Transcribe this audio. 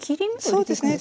そうですね。